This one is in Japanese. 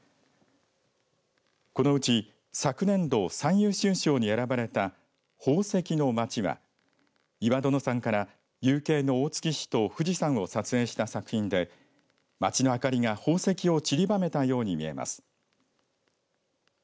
このうち昨年度最優秀賞に選ばれた宝石の町は岩殿山から夕景の大月市と富士山を撮影した作品で街の明かりが宝石をちりばめたように見えます。